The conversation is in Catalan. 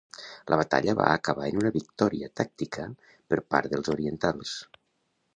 La batalla va acabar en una victòria tàctica per part dels orientals.